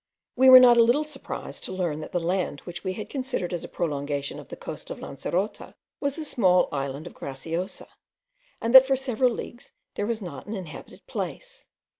We were not a little surprised to learn that the land which we had considered as a prolongation of the coast of Lancerota, was the small island of Graciosa, and that for several leagues there was not an inhabited place.